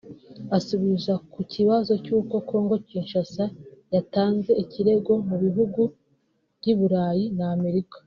Asubiza ku kibazo cy’uko Congo-Kinshasa yatanze ikirego mu bihugu by’i Burayi na Amerika